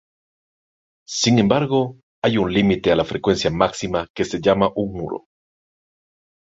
Sin embargo, hay un límite a la frecuencia máxima que se llama un "muro".